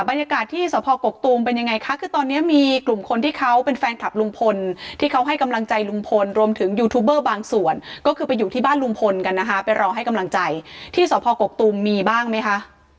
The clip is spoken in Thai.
บรรยากาศที่สพกกตูมเป็นยังไงคะคือตอนนี้มีกลุ่มคนที่เขาเป็นแฟนคลับลุงพลที่เขาให้กำลังใจลุงพลรวมถึงยูทูบเบอร์บางส่วนก็คือไปอยู่ที่บ้านลุงพลกันนะคะไปรอให้กำลังใจที่สพกกตูมมีบ้างไหมคะ